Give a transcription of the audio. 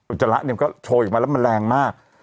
จระเนี่ยมันก็โชยออกมาแล้วมันแรงมาก